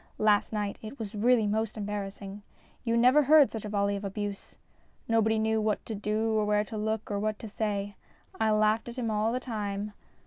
Last night it was really most em barrassing. You never heard such a volley of abuse. Nobody knew what to do or where to look or what to say. I laughed at him all the time.